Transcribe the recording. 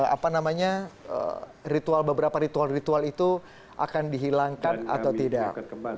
apa namanya ritual beberapa ritual ritual itu akan dihilangkan atau tidak